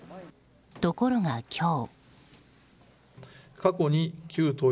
ところが今日。